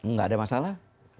nggak ada masalah